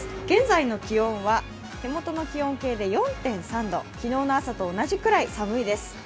現在の気温は手元の気温計で４．３度昨日の朝と同じぐらい寒いです。